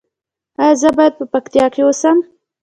ایا زه باید په پکتیا کې اوسم؟